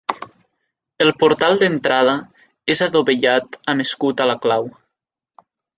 El portal d'entrada és adovellat amb escut a la clau.